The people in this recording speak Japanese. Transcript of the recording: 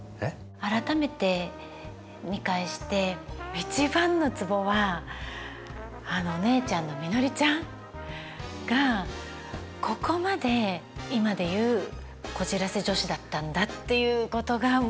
改めて見返して一番のツボはあの姉ちゃんのみのりちゃんがここまで今で言うこじらせ女子だったんだっていうことがもうかわいくてかわいくて。